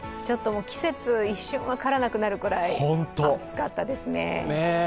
ちょっと季節が一瞬分からなくなるくらい、暑かったですね。